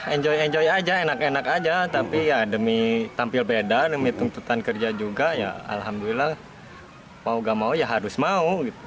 enjoy enjoy aja enak enak aja tapi ya demi tampil beda demi tuntutan kerja juga ya alhamdulillah mau gak mau ya harus mau